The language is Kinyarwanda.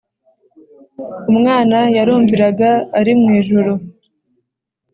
Umwana yarumviraga ari mu ijuru